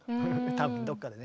多分どっかでね。